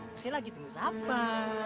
mesti lagi temen siapa